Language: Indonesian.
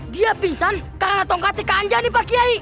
dia pingsan karena tongkatnya kanja nih pak kyai